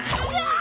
あ！